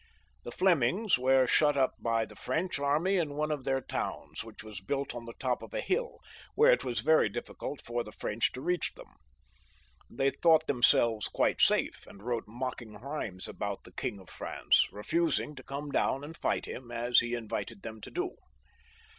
The Flemings were shut up by the French army in one of their towns, which was built on the top of a hiU, where it was very difficult for the French to reach them. They thought themselyes quite safe, and wrote mocking rhymes about the King of France, refusing to come down and fight him, as he invited them to do.